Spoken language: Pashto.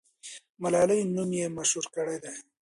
ملالۍ نوم یې مشهور کړی دی.